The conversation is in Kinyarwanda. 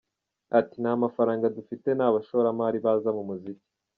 Ati “Nta mafaranga dufite nta bashoramari baza mu muziki.